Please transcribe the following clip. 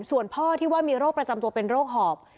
ส่วนพ่อที่ว่ามีโรคประจำตัวเป็นโรคหอบ